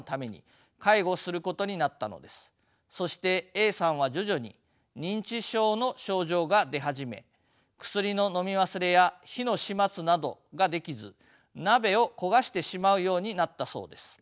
そしてＡさんは徐々に認知症の症状が出始め薬ののみ忘れや火の始末などができず鍋を焦がしてしまうようになったそうです。